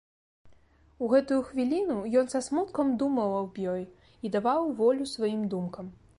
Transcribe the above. У гэтую хвіліну ён са смуткам думаў аб ёй і даваў волю сваім думкам.